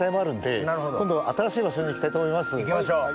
行きましょう。